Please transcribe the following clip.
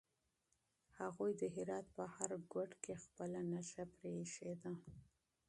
هغوی د هرات په هر ګوټ کې خپله نښه پرېښې ده.